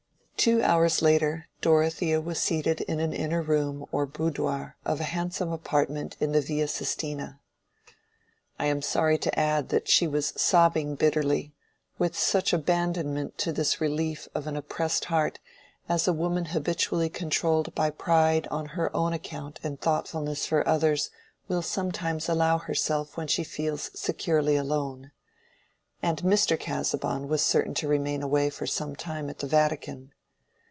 Two hours later, Dorothea was seated in an inner room or boudoir of a handsome apartment in the Via Sistina. I am sorry to add that she was sobbing bitterly, with such abandonment to this relief of an oppressed heart as a woman habitually controlled by pride on her own account and thoughtfulness for others will sometimes allow herself when she feels securely alone. And Mr. Casaubon was certain to remain away for some time at the Vatican.